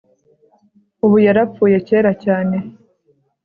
ubu yarapfuye kera cyane